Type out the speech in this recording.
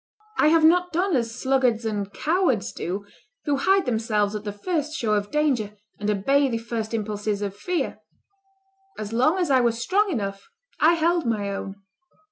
I have not done as sluggards and cowards do, who hide themselves at the first show of danger, and obey the first impulses of fear. As long as I was strong enough, I held my own.